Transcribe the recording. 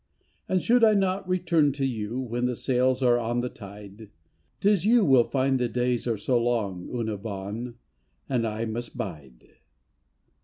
And should I not return to you When the sails are on the tide, *Tis you will find the days so long, Una Bawn, and I must bide.